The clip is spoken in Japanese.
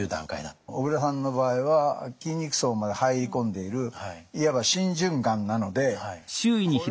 小倉さんの場合は筋肉層まで入り込んでいるいわば浸潤がんなのでこれはそのままほっとけないと。